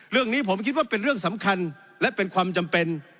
เรื่องนี้ผมคิดว่าเป็นเรื่องสำคัญและเป็นความจำเป็น